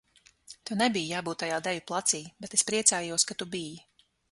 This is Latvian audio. Tev nebija jābūt tajā deju placī, bet es priecājos, ka tur biji.